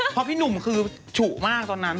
เพราะพี่หนุ่มคือฉุมากตอนนั้น